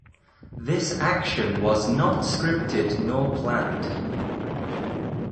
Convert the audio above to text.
This action was not scripted nor planned.